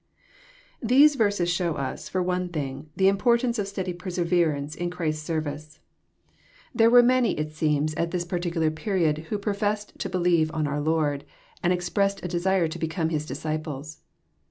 These verses show us, for one thing, the importance of steady perseverance in Christ* 8 service. There were manji JOHN, CHAP. vin. 101 it seems, at this partiealar period, who professed to believe on oar Lord, and expressed a desire to become His disci ples.